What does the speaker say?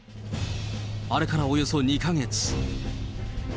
あれからおよそ２か月。